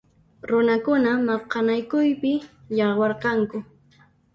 Runakuna maqanakuypi yawaryanku.